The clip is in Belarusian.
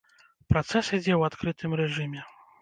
Працэс ідзе ў адкрытым рэжыме.